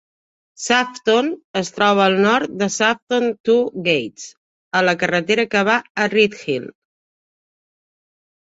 Shafton es troba al nord de Shafton Two Gates, a la carretera que va a Ryhill.